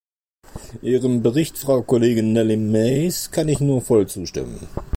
Ihrem Bericht, Frau Kollegin Nelly Maes, kann ich nur voll zustimmen.